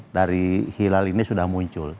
dari hilal ini sudah muncul